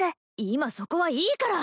今そこはいいから！